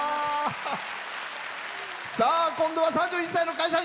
今度は３１歳の会社員。